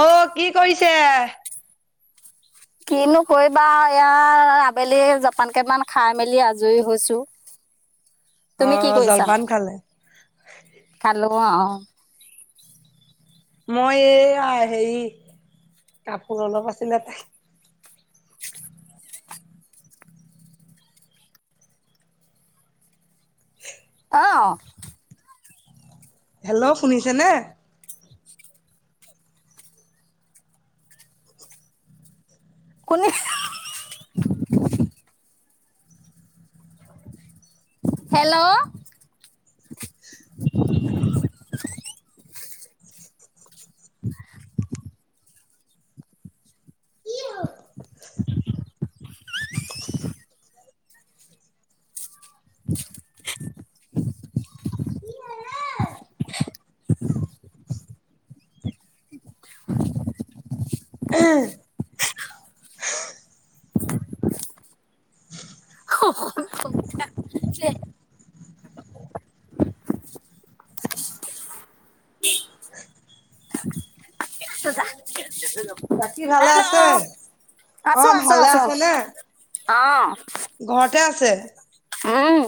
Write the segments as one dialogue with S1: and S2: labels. S1: অ, কি কৰিছে?
S2: কিনো কৰিবা ইয়াৰ আবেলি জপান কেপান খাই মেলি আজৰি হৈছোঁ। তুমি কি
S1: অ'
S2: কইছা?
S1: জলপান খালে।
S2: খালো অ'। [inaudible]
S1: মই এইয়া হেই কাপোৰ অলপ আছিলে তাই।
S2: [inaudible] অ'।
S1: হেল্ল' শুনিছে নে?
S2: কোনে? হেল্ল' [unintelligible] [inaudible] [inaudible] [unintelligible]
S1: বাকী ভালে
S2: হেল্ল'
S1: আছে?
S2: আছো,
S1: অ'
S2: আছো,
S1: ভালে
S2: আছো
S1: আছেনে?
S2: অ'।
S1: ঘৰতে আছে
S2: উম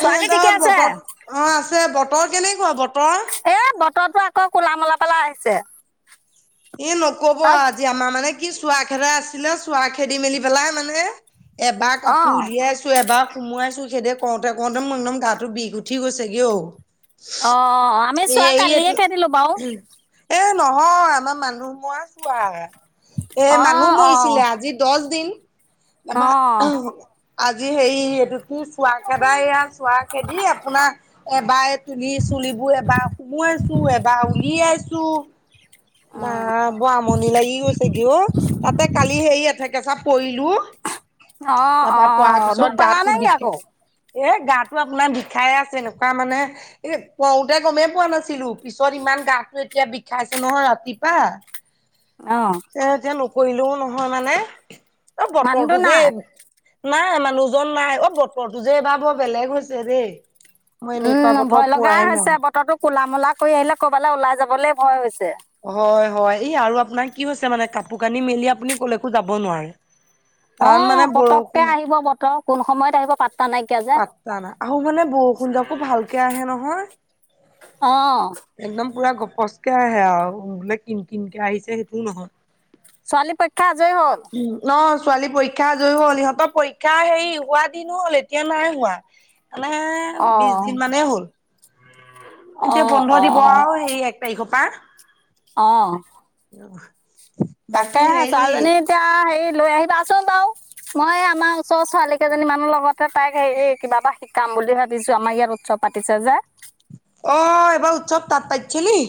S2: ছোৱালী ঠিকে
S1: এহঁতৰ
S2: আছে?
S1: বতৰ, অ' আছে বতৰ কেনেকুৱা বতৰ?
S2: এ বতৰটো আকৌ কোলা মোলা পেলা আহিছে।
S1: এ নকব
S2: অ
S1: আজি আমাৰ মানে কি চোৱা খেদা আছিলে চোৱা খেদি মেলি পেলাই মানে এবাৰ
S2: অ
S1: কাপোৰ উলিয়াই আছো এবাক সোমোৱাইছো খেদে কওঁতে কওঁতে মো একদম গাটো বিষ উঠি গৈছেগে অ'।
S2: অ' আমি
S1: এ
S2: চোৱা
S1: এই
S2: কালিয়ে
S1: এইটো
S2: খেদিলো বাও।
S1: এ নহয় আমাৰ মানুহ মই চোৱা এ
S2: অ
S1: মানুহ
S2: অ
S1: মইছিলে আজি দহ দিন।
S2: অ
S1: তাপা আজি হেৰি এইটো কি চোৱা খেদাই এইয়া চোৱা খেদি আপোনাৰ এবাৰ তনি চুলিবোৰ এবাৰ সোমাইছো এবাৰ উলিয়াইছো না ব আমণি লাগি গৈছেগে অ' তাতে কালি সেই এঠেকেচা পৰিলো
S2: অ অ
S1: তাপা পাৰ
S2: দুখ
S1: পিছত
S2: পালা
S1: গাতটো
S2: নেকি
S1: বিকে
S2: আকৌ?
S1: এ গাতটো আপোনাৰ বিষাই আছে এনেকুৱা মানে এ পওঁতে গমেই পোৱা নাছিলোঁ। পিছত ইমান গাটো এতিয়া বিষাইছে নহয় ৰাতিপুৱা।
S2: অ
S1: এ এতিয়া নকৰিলেও নহয় মানে অ'
S2: মানুহটো
S1: বতৰটো যে
S2: নাই?
S1: নাই মানুহজন নাই। অ' বতৰটো যে এবাৰ বৰ বেলেগ হৈছে দেই। মই এনেকুৱা
S2: উম
S1: বতৰ
S2: ভয় লগাই
S1: পোৱাই নাই
S2: হৈছে। বতৰটো কোলা মোলা কৰি আহিলে ক'বালে ওলাই যাবলে ভয় হৈছে।
S1: হয় হয় এই আৰু আপোনাৰ কি হৈছে মানে কাপোৰ কানি মেলি আপুনি ক'লে একো যাব নোৱাৰে
S2: অ
S1: কাৰণ মানে
S2: পতককে
S1: বৰষুণ
S2: আহিব বতৰ কোন সময়ত আহিব পাত্তা নাইকিয়া যে
S1: পাত্তা নাই আহো মানে বৰষুণজাকো ভালকে আহে নহয়।
S2: অঁ
S1: একদম পুৰা গপচকে আহে আও বোলে কিন কিনকে আহিছে হেটোও নহয়।
S2: ছোৱালী পইক্ষা আজই হ'ল।
S1: উম ন ছোৱালী পৰীক্ষা আজয়ী হ'ল। ইহঁতৰ পৰীক্ষা হেৰি হোৱা দিন হ'ল। এতিয়া নাই হোৱা। মানে বিছ
S2: অঁ
S1: দিন মানে হ'ল। এতিয়া
S2: অঁ
S1: বন্ধ দিব আৰু সেই এক তাৰিখৰ পৰা
S2: অ
S1: অ'।
S2: তাকেহে ছোৱালীজনী এতিয়া হেই লৈ আহিবাচোন বাৰু মই আমাৰ ওচৰ ছোৱালী কেইজনী মানৰ লগতে তাইক হেৰি কিবাাবা শিকাম বুলি ভাবিছো আমাৰ ইয়াত উৎসৱ পাতিছে যে
S1: অ' এবাৰ উৎসৱ তাত পাতছে নে কি?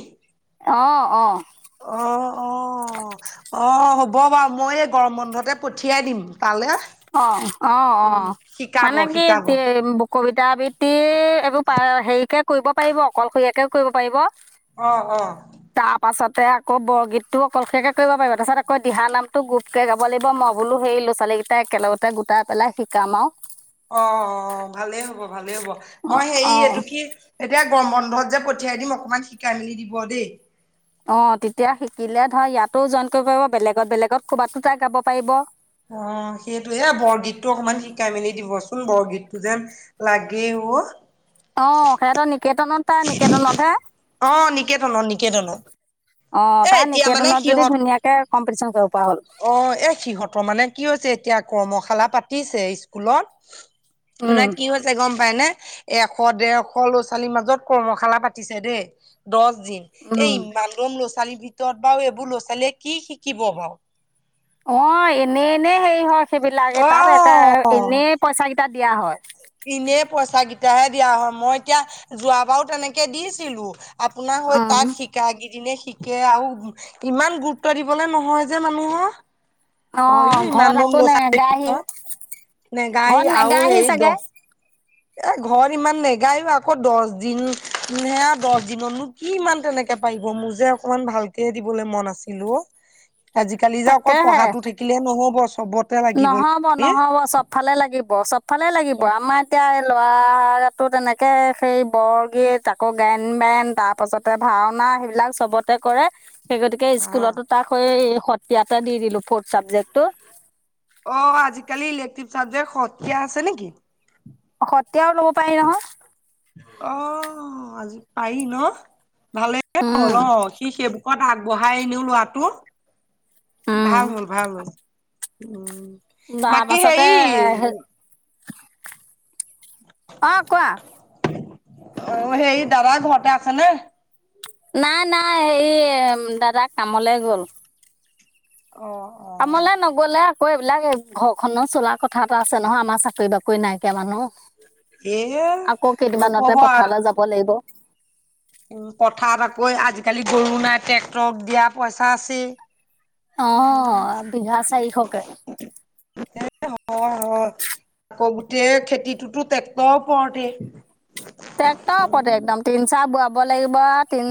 S2: অ', অ'।
S1: অ', অ'। অ' হ'ব বাও মই এই গৰম বন্ধতে পঠিয়াই দিম। তালে।
S2: অ', অ',
S1: উম,
S2: অ'।
S1: শিকাব
S2: মানে কি
S1: শিকাব।
S2: তিয়ে কবিতা আবৃত্তি এইবোৰ পা হেইকে কৰিব পাৰিব, অকলশৰীয়াকেও কৰিব পাৰিব।
S1: অ, অ।
S2: তে আকৌ বৰগীতটো অকলশৰীয়া কে কৰিব পাৰিব। তাৰপাছত আকৌ দিহা নামটো গোপকে গাব পাৰিব। মই বোলা হেই লোৱা ছোৱালী - একেলগতে গোটাই পেলাই শিকাম আও।
S1: অ, অ, অ, ভালেই হব ভালেই হব। মই হেৰি
S2: অঁ
S1: এইটো কি এতিয়া - গম বন্ধত যে পঠিয়াই দিম অকনমান শিকাই মেলি দিব দেই।
S2: অ', তেতিয়া শিকিলে ধৰা ইয়াতো জইন কৰিব পাৰিব। বেলেগত বেলেগত কবাতো তাই গাব পাৰিব।
S1: অ', সেইটোয়ে এ, বৰগীতটো অকমান শিকাই মেলি দিব চোন, বৰগীতটো যেন লাগে ওঁ।
S2: অ', সিঁহতে নিকেতনতাই নিকেতনতহে।
S1: অ', নিকেতন অ' নিকেতন অ'।
S2: অ', তাই নিকেতনত যদি ধুনীয়াকে কম্পিটিশন কৰি
S1: অ', এ, সিহঁতৰ মানে কি হৈছে এতিয়া কৰ্মশালা পাতিছে স্কুলত।
S2: উম
S1: [unintelligible] কি হৈছে গম য়নে। এশ দেৰশ ল'ছোৱালীৰ মাজত কৰ্মশালা পাতিছে দেই দ- জি, এ
S2: উম
S1: ইমানদম ল'ছোৱালীৰ ভিতৰত বাও এইবোৰ ল' ছোৱালীয়ে কি শিকিব বাও?
S2: অ, এনে এনে হেৰি হয় সেইবিলাক। তাত একা, এনেই পইচা কেইটা দিয়া হয়
S1: ইনে পইচা কিটা হে দিয়া হয় মই এতিয়া যোৱাবাৰো তেনেকে দিছিলো। আপোনাৰ
S2: অ
S1: হৈ তাক শিকা গিদিনে সি- শিকে আও ইমান গুৰুত্ব দিবলে নহয় যে মানুহৰ।
S2: অ'
S1: হয়ো ইমান
S2: ঘৰত
S1: দম
S2: আকো
S1: ল'ৰা
S2: নেগাহি,
S1: ছোৱালী নেগাহি
S2: ঘৰত
S1: আৰু
S2: নেগাহি
S1: হেৰি
S2: চাগ- গে?
S1: দহ এ ঘৰত ইমান নেগায়ো আকৌ দছ দিন হে দছ দিনতনো কি ইমান তেনেকে কে পাৰিব মোৰ যে অকমান ভালকে দিবলে মন আছিলো অ। আজিকালি যে অকল পঢ়াতো থাকিলে নহব। চবতে লাগিব
S2: নহব-নহব চবফালে লাগিব চবফালে লাগিব
S1: চব
S2: আমাৰ এতিয়া ল'ৰা তো তেনেকে সেই বৰগীত আকৌ গাইন বাইন তাৰ পাছতে ভাওনা আ হেইবিলাক চবতে কৰে আ সেই গতিকে
S1: অ
S2: স্কুলতো তাক সেই সত্ৰীয়াতে দি দিলো ফৰ্থ চাবজেক্টটো।
S1: অ, আজিকালি এলেক্টিভ চাবজেক সকীয়া আছে নেকি?
S2: সত্ৰীয়াও ল'ব পাৰি নহয়।
S1: অ' আজি পাৰি ন ভালে
S2: উম
S1: হ'ল অ সি সেইবোৰ কত আগবঢ়াই নিও লৰাটোক
S2: উম
S1: ভাল হল ভাল হল উম
S2: বা
S1: বাকী
S2: বাছতে
S1: হেৰি
S2: হে
S1: অ
S2: অ', কোৱা।
S1: অ', হেই দাদা ঘৰতে আছে নে?
S2: নাই নাই হেৰি এ দাদা কামলে গ'ল।
S1: অ', অ',
S2: কামলে নগলে আকৌ এইবিলাক ঘৰখনৰো চলা কথা এটা আছে নহয়, আমাৰ চাকৰি বাকৰি নাইকিয়া মানুহ।
S1: এ
S2: আকৌ কেইদিনমানতে
S1: নকব আৰু
S2: পঠালে যাব লাগিব।
S1: উম, পথাৰত আকৌ আজিকালি গৰু নাই ট্ৰেক্টৰক দিয়া পইচা আছেই।
S2: অ', বিঘা চাৰিশকে।
S1: হয় হয় আকৌ গোটেই খেতিটোতো ট্ৰেক্টৰ ওপৰতেই।
S2: ট্ৰেক্ট ওপতে একদম তিন চাহ বোৱাব লাগিব তিন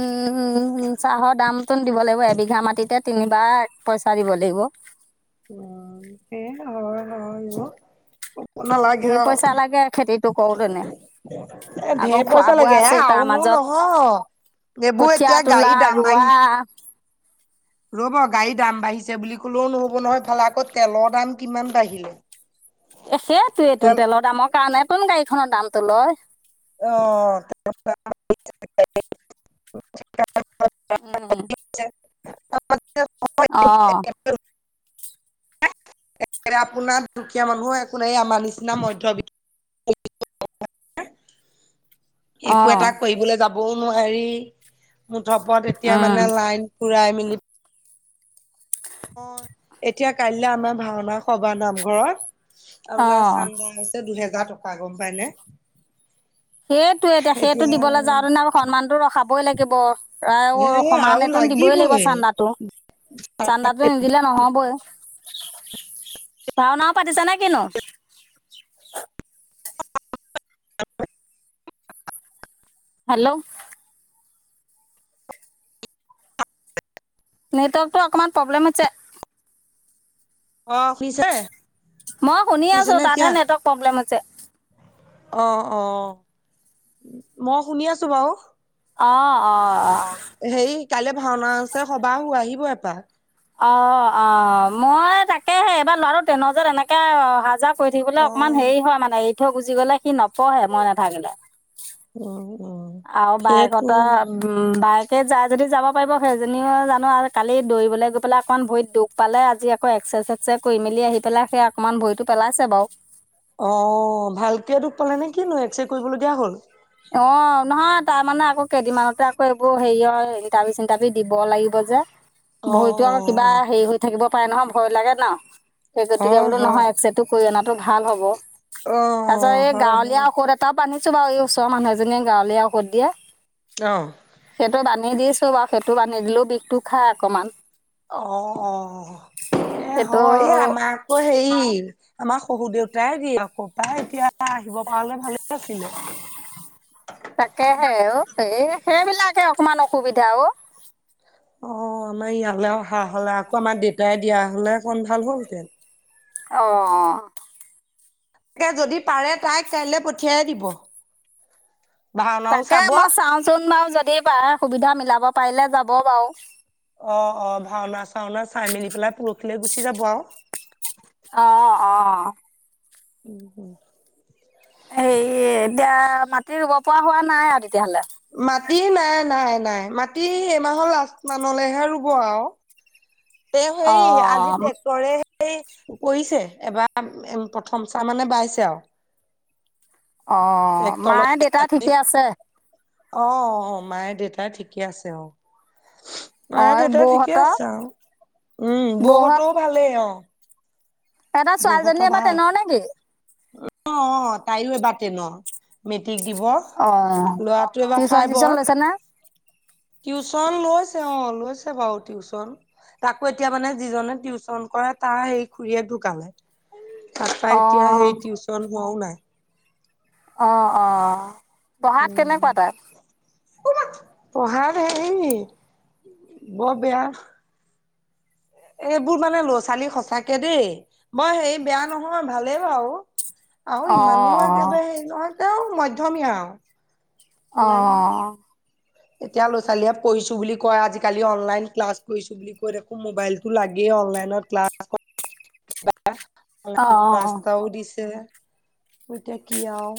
S2: চাহৰ দাম নতুন দিব লাগিব এবিঘা মাটিতে তিনিবাৰ পইচা দিব লাগিব।
S1: [inaudible] [inaudible] এ
S2: ধেৰ পইচা লাগে খেতিটো কৰোতেনে আকৌ
S1: ঢেৰ
S2: খোৱা
S1: পইচা
S2: বোৱা
S1: লাগে হা
S2: আছেই তাৰ
S1: আওনো
S2: মাজত
S1: নহয়। দেবু
S2: কঠীয়া
S1: এতিয়া গাড়ী
S2: তোলা
S1: দাম
S2: ৰোৱা
S1: বাঢ়ি ৰ'ব গাড়ীৰ দাম বাঢ়িছে বুলি কলেও নহ'ব নহয়, ইফালে আকৌ তেলৰ দাম কিমান বাঢ়িলে।
S2: সেইটোৱে তোন
S1: তেল
S2: তেলৰ দামৰ কাৰণে তোন গাড়ীখনৰ দামটো লয়
S1: অ [unintelligible]
S2: উম
S1: [unintelligible]
S2: অ'।
S1: আপোনাৰ দুখীয়া মানুহৰ একো নাই। এ আমাৰ নিচিনা মধ্য [unintelligible]
S2: [inaudible]
S1: একো এটা কৰিবলে যাবও নোৱাৰি মুঠৰ ওপৰত এতিয়া
S2: উম
S1: মানে লাইন ফুৰাই মি এতিয়া কাইলৈ আমাৰ ভাওনা সভা নাম ঘৰত
S2: অ
S1: আপোনাৰ চান্দা হৈছে দুহেজাৰ টকা গম পাইনে
S2: সেইটোৱে এতিয়া সেইটো দিবলৈ যাওঁতেনা আকৌ সন্মানতটো ৰখাবই লাগিব। প্ৰায় গুৰু
S1: আৰু
S2: সমানে তোন দিবই লাগিব
S1: লাগিবই
S2: চান্দাটো চান্দাটো নিদিলে নহ'বই। ভাওনাও পাতিছা নে কিনো হেল্ল'। নেটৱৰ্কটো অকণমান প্ৰব্লেম হৈছে
S1: আহ শুনিছে
S2: মই শুনি
S1: শুনিছে
S2: আছো
S1: নে
S2: তাতহে
S1: এতিয়া
S2: নেটৱৰ্ক প্ৰব্লেম হৈছে
S1: অ', অ' ম শুনি আছো বাও।
S2: অ অ অ
S1: সেই কাইলৈ ভাওনা আছে সবাহো আহিব এপাক
S2: অ অ মই তাকেহে এইবাৰ লৰাটো টেনত যে এনেকে অহ যোৱা কৰি থাকিবলে
S1: অ
S2: অকমান হেৰি হয় মানে এৰি থৈ গুজি গলে সি নপঢ়ে মই নাথাকিলে
S1: অহ
S2: আৰু বাইকটা উ বাইক সেই যাই যদি যাব পাৰিব সেইজনীও জানো আৰু কালি দৌৰিবলে গৈ পেলাই অকণমান ভৰিত দুখ পালে আজি আকৌ এক এক্স ছেক্স কৰি মেলি আহি পেলাই সেই অকণমান ভৰিটো পেলাইছে বাও
S1: অ' ভালকে দুখ পালে নে কিনো? এক্স ৰে কৰিবলগীয়া হ'ল।
S2: অ নহয় তাৰমানে আকৌ কেইদিনমানতে আকৌ এইবোৰ হেৰিয় ইণ্টাৰভি চিটাৰভি দিব লাগিব যে
S1: অ
S2: ভইতো
S1: অ
S2: আকৌ কিবা
S1: অ
S2: হেই হৈ থাকিব পাই নহয়, ভয় লাগে ন। সেই গতিকে
S1: হয়
S2: বোলো
S1: হয়
S2: নহয় এক্সটো কই অনাতটো ভাল হ'ব।
S1: অ',
S2: তাৰপিছত এই
S1: হয়
S2: গাঁৱলীয়া
S1: হয়।
S2: ঔষধ এটা বান্ধিছো বাৰু এই ওচৰৰ মানুহজনীয়ে গাঁৱলীয়া ঔষধ দিয়ে,
S1: অ'।
S2: সেইটো বান্ধি দিছ [unintelligible] সেইটো বান্ধি দিলেও বিষটো খাই অকমান।
S1: অ', অ', এ
S2: সেইটো
S1: হয় আমাৰ আকৌ হেৰি আমাৰ শহুৰ দেউতাই দিয়ে আক পৰাই এতিয়া আহিব পাৰে ভাল আছিলে।
S2: এঅ' এ সেইবিলাকে অকমান অসুবিধা অ'।
S1: অ', আমাৰ ইয়ালৈ অহা হ'লে আকৌ আমাৰ দেউতাই দিয়া হ'লে কন ভাল হ'লহঁতেন।
S2: অ'।
S1: তাকে যদি পাৰে তাইক কাইলৈ পঠিয়াই দিব। ভাওনাও
S2: তাকে
S1: চাব অ',
S2: মই চাওঁচোন বাৰু যদি পাৰে সুবিধা মিলাব পাৰিলে যাব বাৰু।
S1: অ', অ', ভাওনা-চাওনা চাই মেলি পেলাই পৰখিলৈ গুচি যাব আও।
S2: অ অ'।
S1: উম, উম।
S2: হেই এতিয়া মাটি ৰুব পৰা হোৱা নাই আৰু তেতিয়াহ'লে।
S1: মাটি নাই, নাই, নাই, মাটি এইমাহৰ লাষ্ট মানলৈহে ৰুব আৰু। তেওঁ
S2: অ
S1: সেৰি আজি ট্ৰেক্টৰে এই কৰিছে এবাৰ প্ৰথম চাৰ মানে বাইছে আৰু।
S2: অ
S1: টেক্টৰ
S2: মায়ে দেউতা ঠিকে
S1: [unintelligible] অ'।
S2: আছে
S1: অ', মায়ে দেউতাই ঠিকে আছে, অ',
S2: অ
S1: মায়ে দেউতাই ঠিকে
S2: বৌহঁতৰ
S1: আছে আৰু। উম, বৌহ'তো ভালেই অ'।
S2: এটা
S1: বৌহঁতৰ
S2: ছোৱালীজনী এবাৰ
S1: ভাল
S2: তেনও নেকি?
S1: অ', অ', তায়ো এবাৰ টেনত মে দিক দিব
S2: অ
S1: ল'ৰাটোৱে এবাৰ
S2: টিউচন চিউচন
S1: ফাইভৰ।
S2: লৈছে নে
S1: টিউশন লৈছে অ', লৈছে বাৰু টিউশন তাকো এতিয়া মানে যিজনে টিউশন কৰে তাৰ সেই খুৰীয়েক ঢুকালে।
S2: [inaudible]
S1: তাৰপা এতিয়া সেই টিউশন হোৱাও নাই।
S2: অ', অ', পঢ়াত কেনেকুৱা তাত?
S1: পঢ়াৰ হেৰি বৰ বেয়া। এইবোৰ মানে ল'ৰা ছোৱালী সচাকে দেই, মই হে বেয়া নহয় ভালেই বাৰু। আৰু
S2: অ
S1: ইমানো
S2: অ
S1: একেবাৰে হেৰি নহয় তেওঁ মধ্যয়মীয়া আৰু।
S2: অ'।
S1: ইমান এতিয়া ল' ছোৱালীয়ে পঢ়িছো বুলি কয় আজিকালি অনলাইন ক্লাছ কৰিছো বুলি কয় দেখো মোবাইলতটো লাগে অনলাইনত ক্লাছ
S2: অ
S1: [unintelligible]
S2: অ
S1: ৰাস্তাও দিছে। মতিয়া কি আহও।